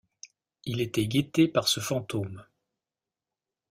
Il était guetté par ce fantôme.